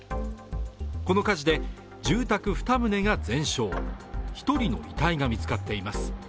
この火事で住宅２棟が全焼、１人の遺体が見つかっています。